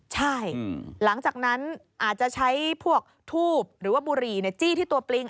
ใช่หลังจากนั้นอาจจะใช้พวกทูบหรือว่าบุหรี่จี้ที่ตัวปลิง